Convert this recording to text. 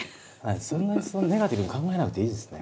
そんなにネガティブに考えなくていいですね。